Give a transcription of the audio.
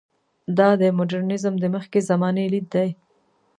دا د مډرنیزم د مخکې زمانې لید دی.